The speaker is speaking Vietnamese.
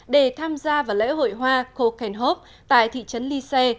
để tham gia vào lễ hội hoa kokenhof tại thị trấn lise